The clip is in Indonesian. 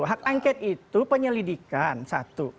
hak angket itu penyelidikan satu